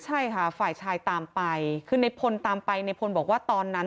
ใช่ค่ะฝ่ายชายตามไปคือในพลตามไปในพลบอกว่าตอนนั้น